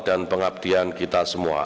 dan pengabdian kita semua